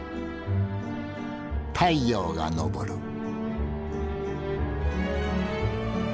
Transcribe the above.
太陽が昇る。